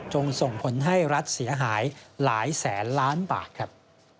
ส่งผลให้รัฐเสียหายหลายแสนล้านบาทครับ